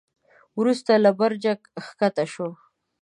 وروسته له برجه کښته شو.